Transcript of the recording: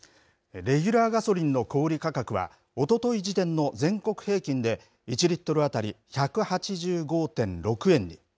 レギュラーガソリンの小売り価格は、おととい時点の全国平均で、１リットル当たり１８５．６円に。